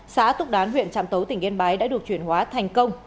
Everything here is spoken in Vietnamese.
xã túc đán huyện trạm tấu tỉnh yên bái đã được chuyển hóa thành công